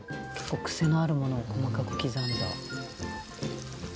クセのあるものを細かく刻んだ。